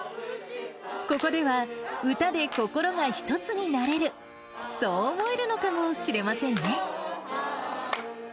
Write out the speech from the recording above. ここでは歌で心が一つになれる、そう思えるのかもしれませんね。